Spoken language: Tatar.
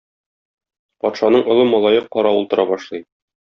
Патшаның олы малае каравыл тора башлый.